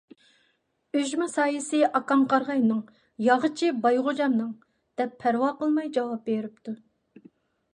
— ئۈجمە سايىسى ئاكاڭ قارىغاينىڭ، ياغىچى باي غوجامنىڭ، — دەپ پەرۋا قىلماي جاۋاب بېرىپتۇ.